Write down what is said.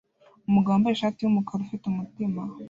Umugabo wambaye ishati yumukara ufite umutima